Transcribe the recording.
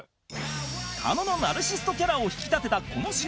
狩野のナルシストキャラを引き立てたこの白スーツ